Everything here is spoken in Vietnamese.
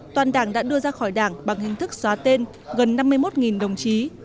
toàn đảng đã đưa ra khỏi đảng bằng hình thức xóa tên gần năm mươi một đồng chí